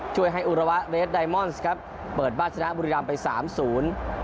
ช่วยให้อุระวะเรสไดมอนซ์ครับเปิดบ้านชนะบุรีรำไปสามศูนย์